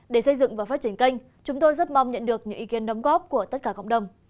để xây dựng và phát triển kênh chúng tôi rất mong nhận được những ý kiến đóng góp của tất cả cộng đồng